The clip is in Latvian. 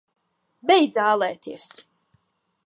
Beidz ālēties!